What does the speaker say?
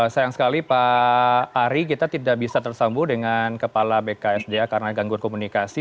sayang sekali pak ari kita tidak bisa tersambung dengan kepala bksda karena gangguan komunikasi